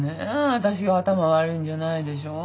私が頭悪いんじゃないでしょ？